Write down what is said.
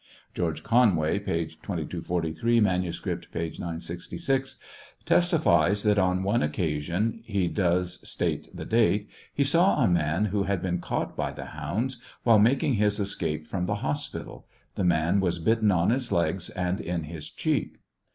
(reorge Conway (p. 2243; manuscript, p. 966) testifies that on one occasion (he does state the date) he saw a man who had been caught by the hounds, while making his escape from the hospital ; the man was bitten on his legs and in his cheek.